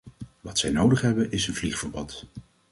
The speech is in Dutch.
Wat zij nodig hebben, is een vliegverbod.